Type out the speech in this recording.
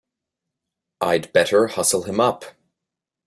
I'd better hustle him up!